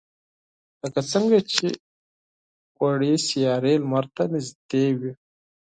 لکه څنگه چې وړې سیارې لمر ته نږدې وي.